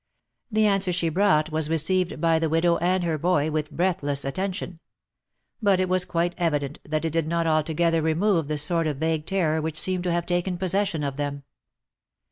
The answer she brought was received by the widow and her boy with breathless attention ; but it was quite evident that it did not altogether remove the sort of vague terror which seemed to have taken possession of them.